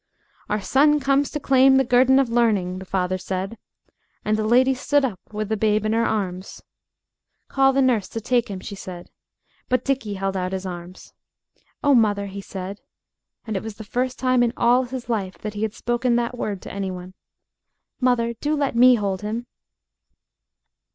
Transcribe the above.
"Our son comes to claim the guerdon of learning," the father said. And the lady stood up with the babe in her arms. "Call the nurse to take him," she said. But Dickie held out his arms. "Oh, mother," he said, and it was the first time in all his life that he had spoken that word to any one. "Mother, do let me hold him."